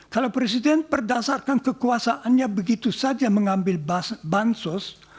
kalau presiden berdasarkan kekuasaannya begitu saja mengambil bansos